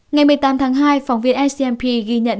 ngày một mươi tám tháng hai phóng viên icmp ghi nhận